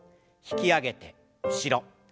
引き上げて後ろ。